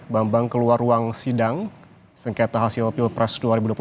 bambang keluar ruang sidang sengketa hasil pilpres dua ribu dua puluh empat